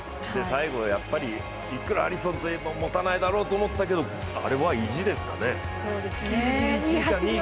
最後、いくらアリソンといえどもたないだろうと思ったけどあれは意地ですかね？